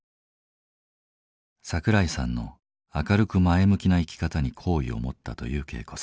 桜井さんの明るく前向きな生き方に好意を持ったという恵子さん。